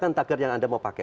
kan tagar yang anda mau pakai